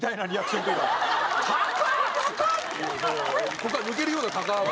ここから抜けるような「高っ！！」